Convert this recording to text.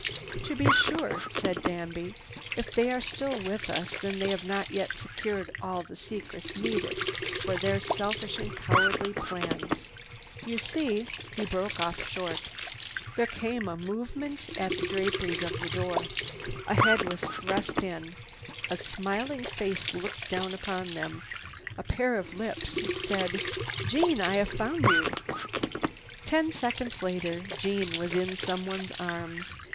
"To be sure," said Danby, "if they are still with us, then they have not yet secured all the secrets needed for their selfish and cowardly plans. You see—" He broke short off. There came a movement at the draperies of the door. A head was thrust in. A smiling face looked down upon them. A pair of lips said: "Jeanne, I have found you!" Ten seconds later Jeanne was in someone's arms.